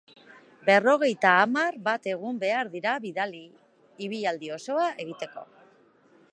Berrogeita hamar bat egun behar dira ibilaldi osoa egiteko.